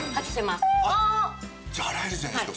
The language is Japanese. じゃあ洗えるじゃないですか。